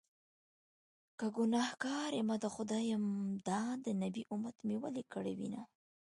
که ګنهکار يمه د خدای یم- دا د نبي امت مې ولې ګرموینه